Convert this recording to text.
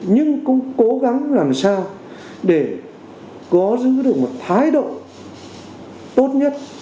nhưng cũng cố gắng làm sao để có giữ được một thái độ tốt nhất